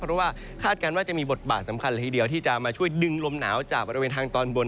เพราะว่าคาดการณ์ว่าจะมีบทบาทสำคัญเลยทีเดียวที่จะมาช่วยดึงลมหนาวจากบริเวณทางตอนบน